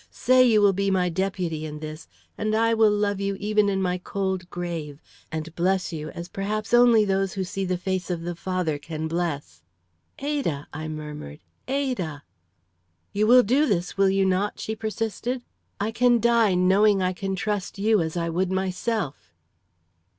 Say you will be my deputy in this, and I will love you even in my cold grave, and bless you as perhaps only those who see the face of the Father can bless!" "Ada!" I murmured, "Ada!" "You will do this, will you not?" she persisted. "I can die knowing I can trust you as I would myself."